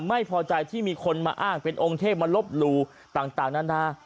ไม่พอใจที่มีคนมาอ้างเป็นองค์เทพมาลบหลู่ต่างนานา